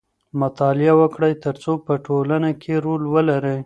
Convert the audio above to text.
مطالعه وکړئ ترڅو په ټولنه کي رول ولرئ.